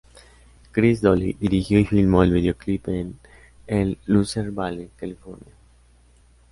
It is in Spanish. Chris Dooley dirigió y filmó el videoclip en el Lucerne Valley, California.